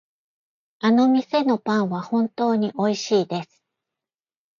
あの店のパンは本当においしいです。